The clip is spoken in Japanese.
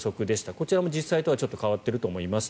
こちらも実際とはちょっと変わっていると思います。